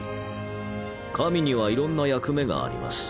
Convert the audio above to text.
神にはいろんな役目があります。